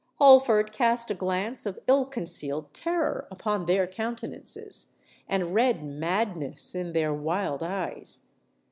Holford cast a glance of ill concealed terror upon their countenances, and read madness in their wild eyes.